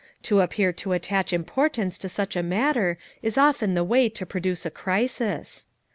To appear to attach importance to such a mat ter is often the way to produce a crisis.